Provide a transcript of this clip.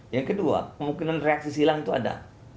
yang kedua kemungkinan reaksi silang itu ada